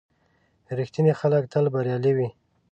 • رښتیني خلک تل بریالي وي.